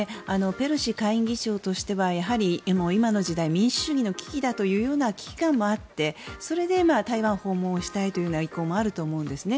ペロシ下院議長としてはやはり今の時代民主主義の危機だという危機感もあってそれで台湾訪問をしたいという意向もあると思うんですね。